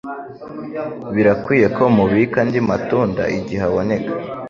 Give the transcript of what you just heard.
birakwiriye ko mubika andi matunda igihe aboneka.